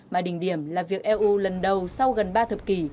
mà đỉnh điểm là việc eu lần đầu sau gần ba thập kỷ